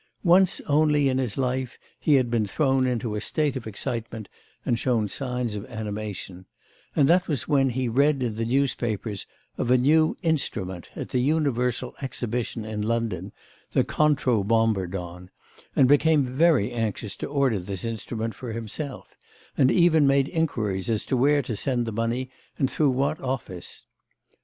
Once only in his life he had been thrown into a state of excitement and shown signs of animation, and that was when he read in the newspapers of a new instrument at the Universal Exhibition in London, the 'contro bombardon,' and became very anxious to order this instrument for himself, and even made inquiries as to where to send the money and through what office.